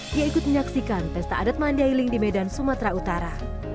dia ikut menyaksikan pesta adat mandiling di medan sumatera utara